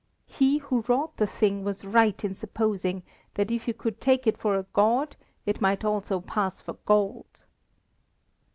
He who wrought the thing was right in supposing that if you could take it for a god, it might also pass for gold!"